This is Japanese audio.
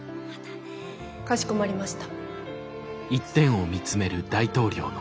かしこまりました。